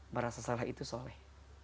merasa salah itu soleh